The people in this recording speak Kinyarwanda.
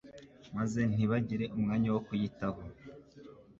maze ntibagire umwanya wo kuyitaho